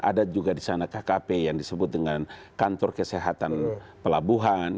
ada juga di sana kkp yang disebut dengan kantor kesehatan pelabuhan